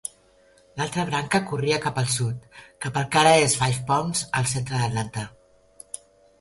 L'altra branca corria cap al sud, cap al que ara és Five Points al centre d'Atlanta.